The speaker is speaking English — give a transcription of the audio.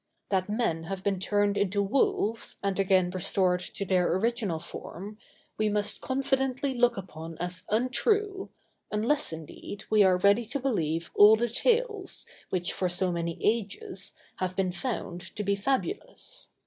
That men have been turned into wolves, and again restored to their original form, we must confidently look upon as untrue, unless, indeed, we are ready to believe all the tales, which, for so many ages, have been found to be fabulous.